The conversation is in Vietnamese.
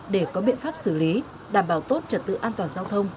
để có biện pháp xử lý đảm bảo tốt trật tự an toàn giao thông